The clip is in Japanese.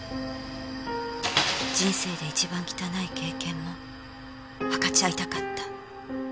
人生で一番汚い経験も分かち合いたかった。